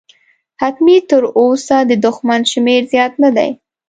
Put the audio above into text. حتمي، تراوسه د دښمن شمېر زیات نه دی.